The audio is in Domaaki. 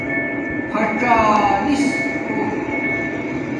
پھڅالَس کوُٹ